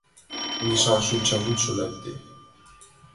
Мишан шинчавӱдшӧ лекте.